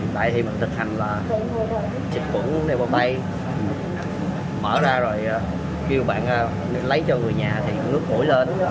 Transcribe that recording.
tại thì mình thực hành là xịt quẩn lên bàn tay mở ra rồi kêu bạn lấy cho người nhà thì nước mũi lên